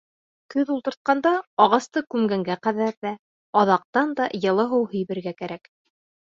Көҙ ултыртҡанда ағасты күмгәнгә ҡәҙәр ҙә, аҙаҡтан да йылы һыу һибергә кәрәк.